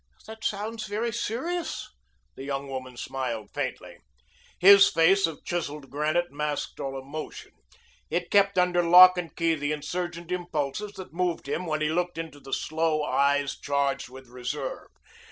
"That sounds very serious." The young woman smiled faintly. His face of chiseled granite masked all emotion. It kept under lock and key the insurgent impulses that moved him when he looked into the sloe eyes charged with reserve.